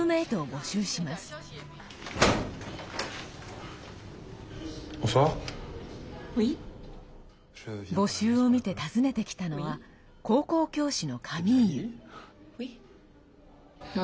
募集を見て訪ねてきたのは高校教師のカミーユ。